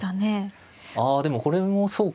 あでもこれもそうか。